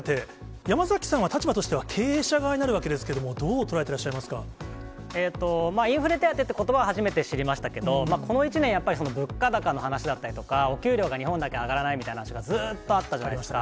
山崎さんは立場としては経営者側になるわけですけれども、どう捉インフレ手当っていうことばは初めて知りましたけど、この１年、やっぱり物価高の話だったりとか、お給料が日本だけ上がらないみたいな話が、ずーっとあったじゃないですか。